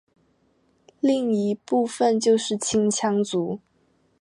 另一部分就是青羌族。